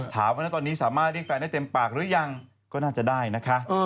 ถามว่าตอนนี้สามารถเรียกแฟนได้เต็มปากหรือยังก็น่าจะได้นะคะ